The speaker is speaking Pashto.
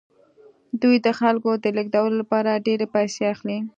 دوی د خلکو د لیږدولو لپاره ډیرې پیسې اخلي